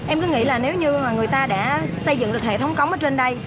em cứ nghĩ là nếu như mà người ta đã xây dựng được hệ thống cống ở trên đây